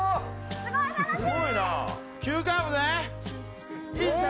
すごい、楽しい！